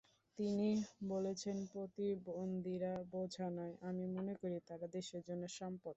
তিনি বলেছেন, প্রতিবন্ধীরা বোঝা নয়, আমি মনে করি, তারা দেশের জন্য সম্পদ।